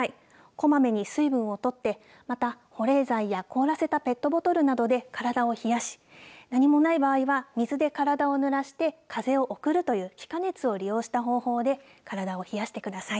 こまめに水分をとってまた保冷剤や凍らせたペットボトルなどで体を冷やし何もない場合は水で体をぬらして風を送るという気化熱を利用した方法で体を冷やしてください。